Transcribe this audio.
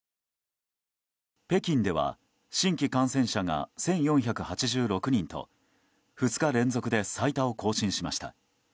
北京では新規感染者が１４８６人と２日連続で最多を更新しました。